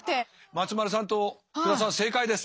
松丸さんと福田さん正解です。